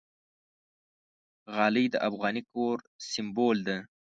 غالۍ د افغاني کور سِمبول ده.